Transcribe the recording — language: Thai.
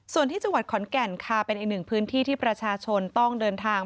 ส่วนที่จังหวัดขอนแก่นค่ะเป็นอีกหนึ่งพื้นที่ที่ประชาชนต้องเดินทาง